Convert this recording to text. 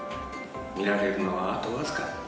見られるのは、あとわずか。